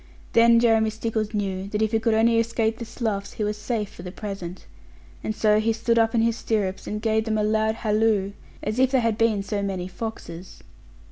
Then Jeremy Stickles knew that if he could only escape the sloughs, he was safe for the present; and so he stood up in his stirrups, and gave them a loud halloo, as if they had been so many foxes.